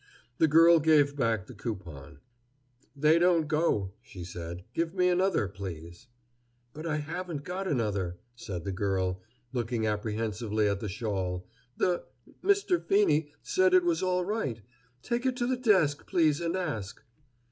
The girl gave back the coupon. "They don't go," she said; "give me another, please." "But I haven't got another," said the girl, looking apprehensively at the shawl. "The Mr. Feeney said it was all right. Take it to the desk, please, and ask."